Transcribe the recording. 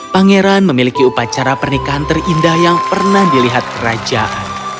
pangeran memiliki upacara pernikahan terindah yang pernah dilihat kerajaan